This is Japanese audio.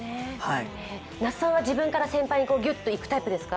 那須さんは自分から先輩にぎゅっといくタイプですか？